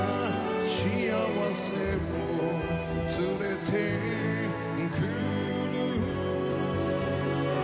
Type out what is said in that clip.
「幸せを連れてくる」